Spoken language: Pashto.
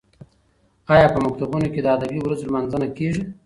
ایا په مکتبونو کې د ادبي ورځو لمانځنه کیږي؟